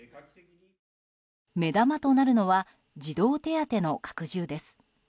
目玉となるのは児童手当の拡充です。